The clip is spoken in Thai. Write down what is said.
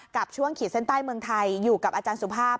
กับช่วงขีดเส้นใต้เมืองไทยอยู่กับอาจารย์สุภาพ